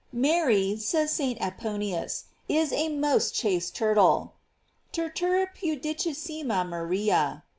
"* Mary, says St. Aponius, is a roost chaste turtle :" Turtur pudicissima Maria."